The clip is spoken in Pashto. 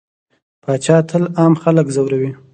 پاچا تل عام خلک ځوروي.